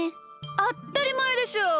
あったりまえでしょう。